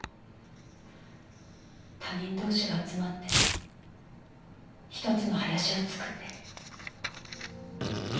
他人同士が集まって一つの林を作ってる。